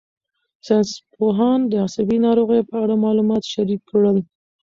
ساینسپوهان د عصبي ناروغیو په اړه معلومات شریک کړل.